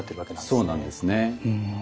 そうなんですね。